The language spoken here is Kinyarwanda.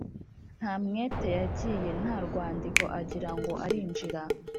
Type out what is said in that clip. ntamwete yagiye nta rwandiko agira ngo arinjira